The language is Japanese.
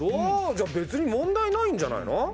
じゃあ別に問題ないんじゃないの？